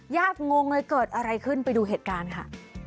งงเลยเกิดอะไรขึ้นไปดูเหตุการณ์ค่ะ